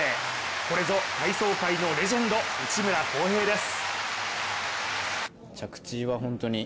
これぞ体操界のレジェンド内村航平です。